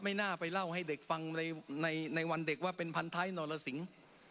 น่าไปเล่าให้เด็กฟังในวันเด็กว่าเป็นพันท้ายนรสิง